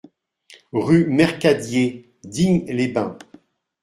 Rue Mercadier, Digne-les-Bains